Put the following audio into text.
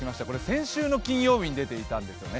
先週の金曜日に出ていたんですね。